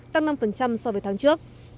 tăng năm so với tháng trước